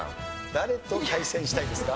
誰と対戦したいですか？